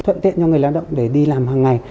thuận tiện cho người lao động để đi làm hàng ngày